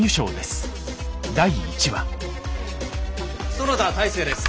園田大勢です。